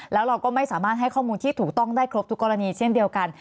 แล้วเราก็ไม่สามารถให้ข้อมูลที่ถูกต้องได้ครบทุกกรณีเช่นเดียวกัน